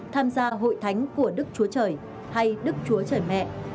tham gia hội thánh của đức chúa trời hay đức chúa trời mẹ